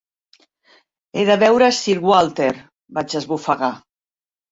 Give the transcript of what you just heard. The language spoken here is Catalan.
"He de veure Sir Walter", vaig esbufegar.